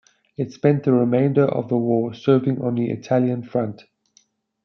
It spent the remainder of the war serving on the Italian Front.